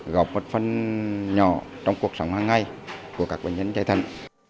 gọp một phần nhỏ trong cuộc sống hàng ngày của các bệnh nhân chạy thần